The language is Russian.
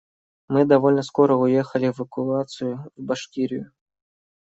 Мы довольно скоро уехали в эвакуацию в Башкирию.